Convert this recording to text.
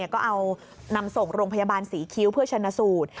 ก็เอานำส่งโรงพยาบาลศรีคิ้วเพื่อชนะสูตร